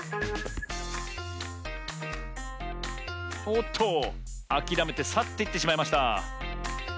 おっとあきらめてさっていってしまいました。